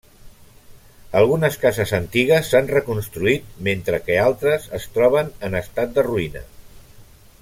Algunes cases antigues s'han reconstruït mentre que altres es troben en estat de ruïna.